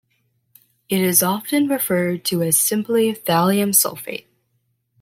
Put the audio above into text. It is often referred to as simply thallium sulfate.